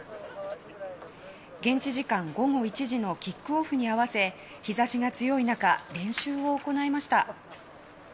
現地時間午後１時のキックオフに合わせ日差しが強い中練習を行いました。